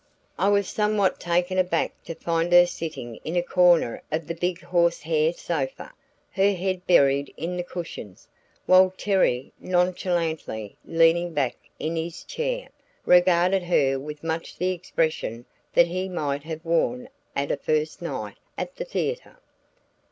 I was somewhat taken aback to find her sitting in a corner of the big horsehair sofa, her head buried in the cushions, while Terry, nonchalantly leaning back in his chair, regarded her with much the expression that he might have worn at a "first night" at the theatre.